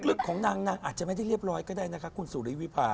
ลึกของนางนางอาจจะไม่ได้เรียบร้อยก็ได้นะคะคุณสุริวิพา